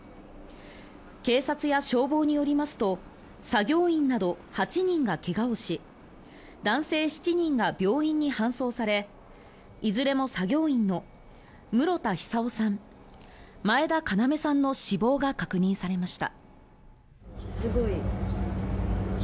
警察や消防によりますと作業員など８人が怪我をし男性７人が病院に搬送されいずれも作業員の室田久生さん、前田要さんの死亡が確認されました。